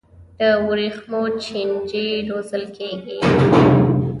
د ورېښمو چینجي روزل کیږي؟